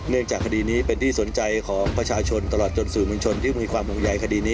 จากคดีนี้เป็นที่สนใจของประชาชนตลอดจนสื่อมวลชนที่มีความห่วงใยคดีนี้